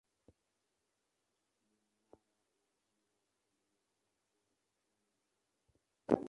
Ni mnara wa jiwe uliopakwa rangi nyeupe.